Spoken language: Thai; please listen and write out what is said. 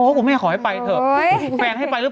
โอ้ผมไม่อยากขอให้ไปเถอะ